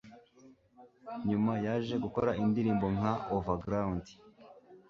Nyuma yaje gukora indirimbo nka 'Over Ground